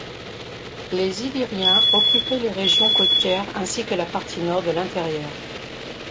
Les Illyriens occupaient les régions côtières ainsi que la partie nord de l'intérieur.